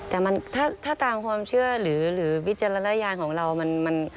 แต่มันถ้าตามความเชื่อหรือวิจารณญาณของเรา